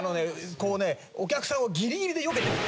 こうねお客さんをギリギリでよけてこう行くのよ